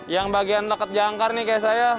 yang bagian dekat jangkar nih kayak saya